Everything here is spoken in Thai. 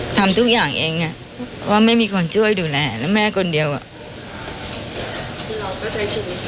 ทำทุกอย่างเองอ่ะเพราะไม่มีคนช่วยดูแลนะแม่คนเดียวอ่ะ